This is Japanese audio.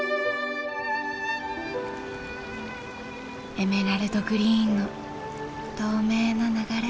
エメラルドグリーンの透明な流れ。